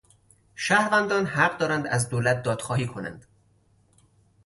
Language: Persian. شهروندان حق دارند از دولت دادخواهی کنند.